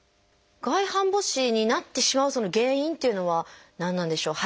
外反母趾になってしまうその原因っていうのは何なんでしょう？